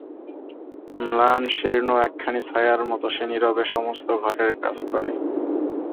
ম্লান শীর্ণ একখানি ছায়ার মতো সে নীরবে সমস্ত ঘরের কাজ করে।